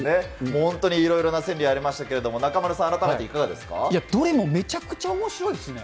本当にいろいろな川柳ありましたけれども、中丸さん、改めてどれもめちゃくちゃおもしろいですね。